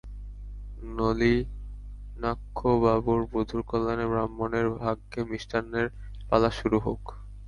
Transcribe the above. নলিনাক্ষবাবুর বধূর কল্যাণে ব্রাহ্মণের ভাগ্যে মিষ্টান্নের পালা শুরু হউক।